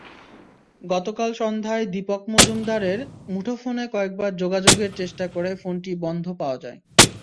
গতকাল সন্ধ্যায় দিপক মজুমদারের মুঠোফোনে কয়েকবার যোগাযোগের চেষ্টা করে ফোনটি বন্ধ পাওয়া যায়।